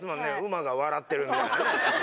馬が笑ってるみたいなね。